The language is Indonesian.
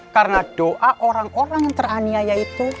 karena doa orang orang yang teraniaya itu